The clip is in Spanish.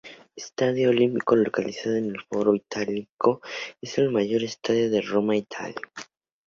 Stadio Olimpico, localizado en el Foro Itálico, es el mayor estadio de Roma, Italia.